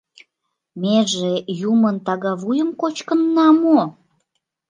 Меже юмын тага вуйым кочкынна мо?